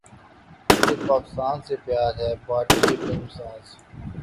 مجھے پاکستان سے پیار ہے بھارتی فلم ساز